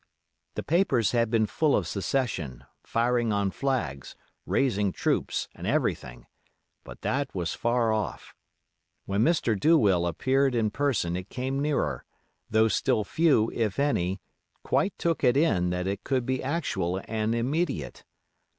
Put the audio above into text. The papers had been full of secession, firing on flags, raising troops, and everything; but that was far off. When Mr. Douwill appeared in person it came nearer, though still few, if any, quite took it in that it could be actual and immediate.